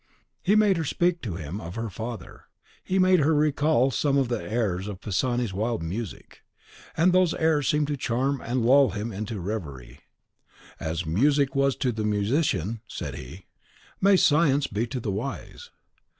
He made her speak to him of her father; he made her recall some of the airs of Pisani's wild music. And those airs seemed to charm and lull him into reverie. "As music was to the musician," said he, "may science be to the wise.